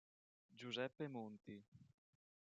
Giuseppe Monti